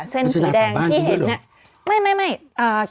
เส้นสีแดงที่เห็น